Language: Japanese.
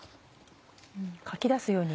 かき出すように。